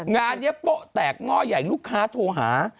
งานนี้โป๊ะแตกหม้อใหญ่ลูกค้าโทรหา